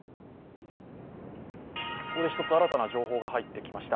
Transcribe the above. ここで一つ新たな情報が入ってきました。